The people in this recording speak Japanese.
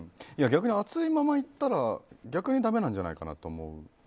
逆に熱いままいったら逆にだめなんじゃないかと。